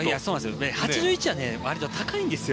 ８１は割と高いんですよ。